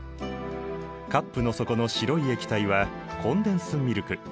カップの底の白い液体はコンデンスミルク。